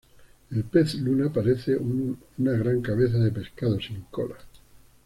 El pez luna parece una gran cabeza de pescado sin cola.